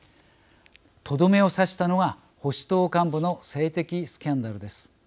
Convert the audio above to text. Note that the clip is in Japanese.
とどめを刺したのが保守党幹部の性的スキャンダルです。